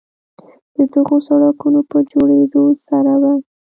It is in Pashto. د دغو سړکونو په جوړېدو سره به